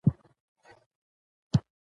پاکې او نوې جامې اغوستل